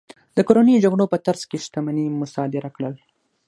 د کورنیو جګړو په ترڅ کې شتمنۍ مصادره کړل.